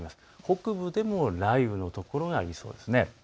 北部でも雷雨の所がありそうです。